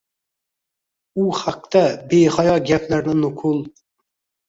U haqda behayo gaplarni nuqul…